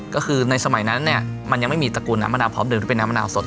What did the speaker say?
ก็คือในสมัยนั้นเนี่ยมันยังไม่มีตระกูลน้ำมะนาวพร้อมเดิมหรือเป็นน้ำมะนาวสด